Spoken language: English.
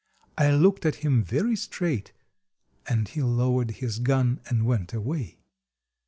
I looked at him very straight, and he lowered his gun and went away.